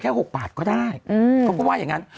๖บาทก็ได้เขาก็ว่าอย่างนั้น